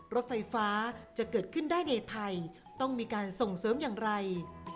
รถไฟฟ้าจะเกิดขึ้นได้ในไทยต้องมีการส่งเสริมอย่างไร